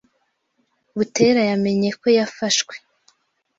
Butera yamenye ko yafashwe.